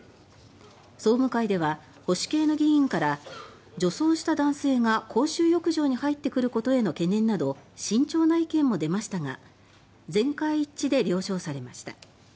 総務会では、保守系の議員から女装した男性が公衆浴場に入ってくることへの懸念など慎重な意見も出ましたが全会一致で了承されました。